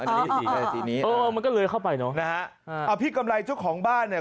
อันนี้สีเลยสีนี้เออมันก็เลยเข้าไปเนอะนะฮะอ่าพี่กำไรเจ้าของบ้านเนี่ย